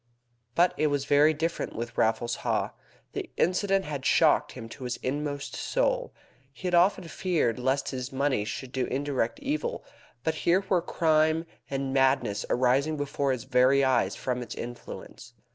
But it was very different with Raffles Haw. The incident had shocked him to his inmost soul. He had often feared lest his money should do indirect evil, but here were crime and madness arising before his very eyes from its influence.